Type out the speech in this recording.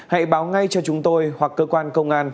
hãy báo ngay cho chúng tôi hoặc cơ quan công an